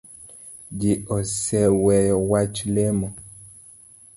Ji oseweyo wach lemo